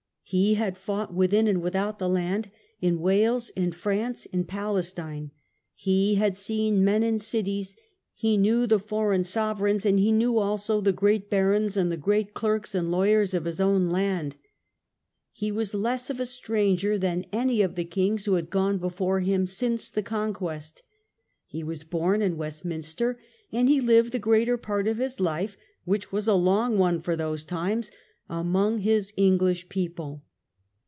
He had fought within and without the land — in Wales, in France, in Palestine. He had seen men and cities. He knew the foreign sovereigns, and he knew also the great barons and the great clerks and lawyers of his own land. He was less of a stranger than any of the kings who had gone before him since the Conquest. He was bom in Westminster, and he lived the greater part of his life (which was a long one for those times) among Jiis English people.